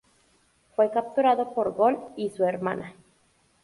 Fue capturado por Gol y su hermana.